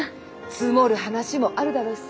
積もる話もあるだろうしさ。